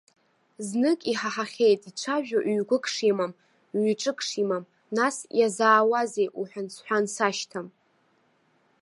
Знык иҳаҳахьеит ицәажәо ҩ-гәык шимам, ҩ-ҿык шимам, нас иазаауазеи уҳәансҳәан сашьҭам?